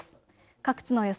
各地の予想